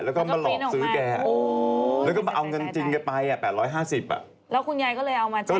แล้วก็มาหลอกซื้อแก่อ่ะแล้วก็มาเอากันจริงไปอ่ะ๘๕๐อ่ะแล้วคุณยายก็เลยเอามาแจ้งความใช่ไหม